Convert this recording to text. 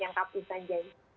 yang keapusan janji